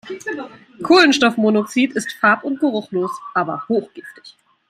Kohlenstoffmonoxid ist farb- und geruchlos, aber hochgiftig.